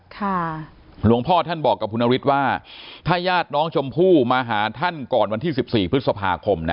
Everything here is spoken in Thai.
หลวงพ่อท่านบอกกับคุณนฤทธิ์ว่าถ้าญาติน้องชมพู่มาหาท่านก่อนวันที่สิบสี่พฤษภาคมนะ